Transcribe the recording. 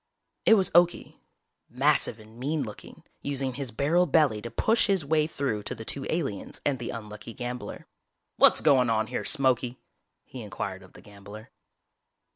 It was Okie, massive and mean looking, using his barrel belly to push his way through to the two aliens and the unlucky gambler. "What's goin' on here, Smokey?" he inquired of the gambler.